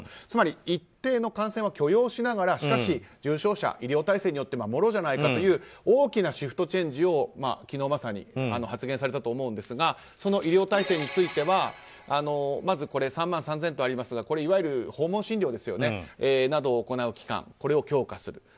つまり一定の感染を許容しながら重症者、医療体制によってもろじゃないかという大きなシフトチェンジを昨日まさに発言されたと思うんですがその医療体制についてはまず３万３０００とありますがいわゆる訪問診療などを行う機関これを強化する。